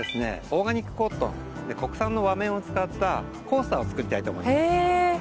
オーガニックコットン国産の和綿を使ったコースターを作りたいと思います。